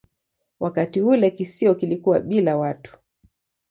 Wakati ule kisiwa kilikuwa bila watu.